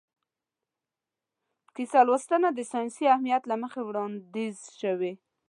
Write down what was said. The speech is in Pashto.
کیسه لوستنه د ساینسي اهمیت له مخې وړاندیز شوې.